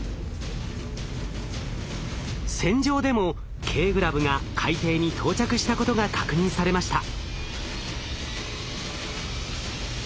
船上でもＫグラブが海底に到着したことが確認されました。